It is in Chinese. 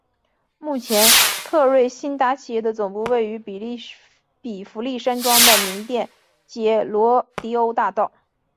目前特瑞新达企业的总部位于比佛利山庄的名店街罗迪欧大道。